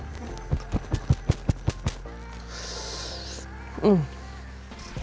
saat pengemasan jangan hanya jangkriknya saja ya